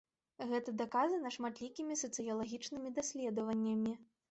Гэта даказана шматлікімі сацыялагічнымі даследаваннямі.